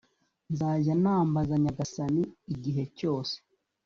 nzajya nambaza nyagasani, igihe cyose